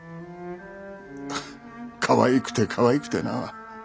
かわいくてかわいくてな。